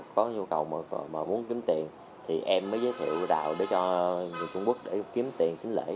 có nhu cầu mời mà muốn kiếm tiền thì em mới giới thiệu đào để cho người trung quốc để kiếm tiền xính lễ